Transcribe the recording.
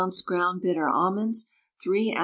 ground bitter almonds, 3 oz.